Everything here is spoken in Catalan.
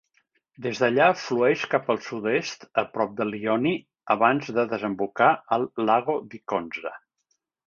Des d'allà flueix cap al sud-est a prop de Lioni abans de desembocar al Lago di Conza.